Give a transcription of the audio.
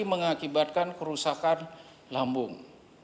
mengakibatkan kerusakan lambung